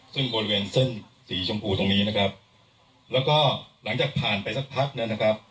ซึ่งบริเวณเส้นสีชมพูตรงนี้นะครับแล้วก็หลังจากผ่านไปสักพักเนี่ยนะครับ